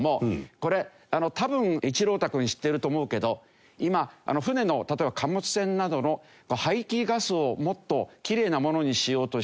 これ多分一朗太君知っていると思うけど今船の例えば貨物船などの排気ガスをもっときれいなものにしようとして。